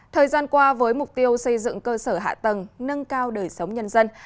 thời gian qua với mục tiêu xây dựng cơ sở hạ tầng nâng cao đời sống nhân dân